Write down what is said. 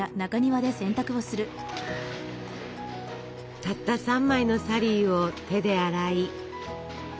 たった３枚のサリーを手で洗い。